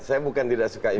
saya bukan tidak suka ini